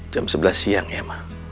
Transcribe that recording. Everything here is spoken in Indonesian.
jam sebelas siang ya mah